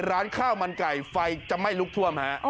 ร้านข้าวมันไก่ไฟจะไม่ลุกท่วมฮะ